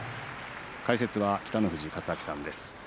解説は北の富士勝昭さんです。